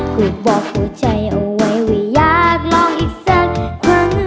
ถูกบอกหัวใจเอาไว้ว่าอยากลองอีกสักครั้ง